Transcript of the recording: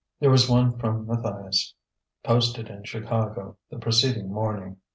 There was one from Matthias, posted in Chicago the preceding morning.